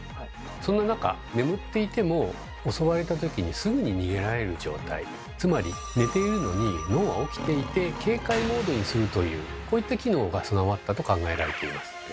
そんな中眠っていても襲われた時にすぐに逃げられる状態つまり寝ているのに脳は起きていて警戒モードにするというこういった機能が備わったと考えられています。